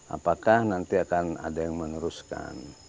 apakah nanti akan ada yang meneruskan